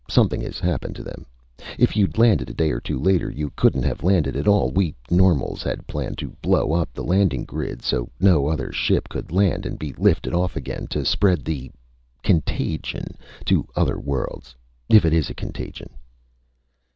Something has happened to them. If you'd landed a day or two later, you couldn't have landed at all. We normals had planned to blow up the landing grid so no other ship could land and be lifted off again to spread the ... contagion to other worlds. If it is a contagion."